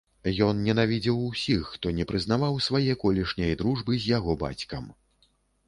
Ён ненавідзеў усіх, хто не прызнаваў свае колішняй дружбы з яго бацькам.